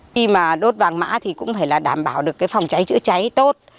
khi mà đốt vàng mã thì cũng phải là đảm bảo được cái phòng cháy chữa cháy tốt